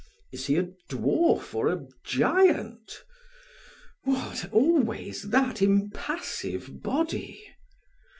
Is he a dwarf or a giant? What! always that impassive body?